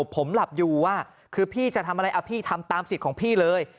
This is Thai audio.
ผมหลับอยู่คือพี่จะทำอะไรพี่ทำตามสิทธิ์ของพี่เลย